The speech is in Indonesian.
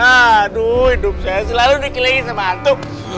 aduh hidup saya selalu dikilingi sama hantu